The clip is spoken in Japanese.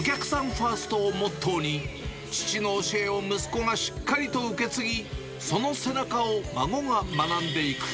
ファーストをモットーに、父の教えを息子がしっかりと受け継ぎ、その背中を孫が学んでいく。